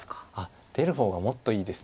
出る方がもっといいです。